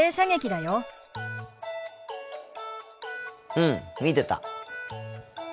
うん見てた。